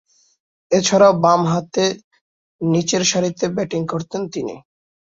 এছাড়াও, বামহাতে নিচেরসারিতে ব্যাটিং করতেন তিনি।